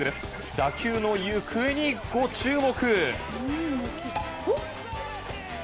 打球の行方にご注目。